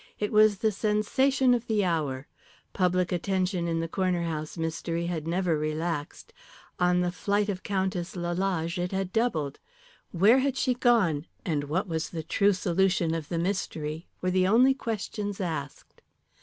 It was the sensation of the hour. Public attention in the Corner House mystery had never relaxed; on the flight of Countess Lalage it had doubled. Where had she gone, and what was the true solution of the mystery were the only questions asked.